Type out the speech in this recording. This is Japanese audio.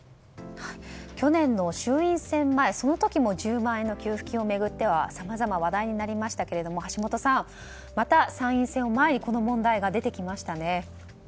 去年の衆院選前の時も１０万円の給付金を巡ってさまざま話題になりましたが橋下さんまた参院選を前にこの問題が出てきましたね。